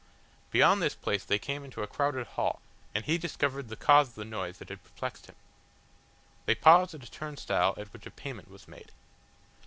Beyond this place they came into a crowded hall, and he discovered the cause of the noise that had perplexed him. They paused at a turnstile at which a payment was made.